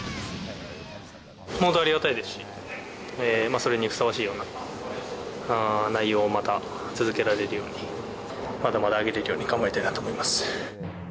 本当ありがたいですし、それにふさわしいような内容をまた続けられるように、まだまだ上げていけるように頑張りたいなと思います。